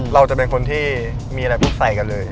เราจะเป็นคนที่มีอะไรพวกใส่กันเลย